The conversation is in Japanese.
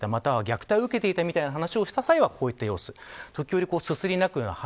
虐待を受けていた、みたいな話をしたときはこういった様子。